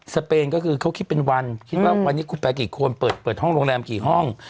เปนก็คือเขาคิดเป็นวันคิดว่าวันนี้คุณไปกี่คนเปิดห้องโรงแรมกี่ห้อง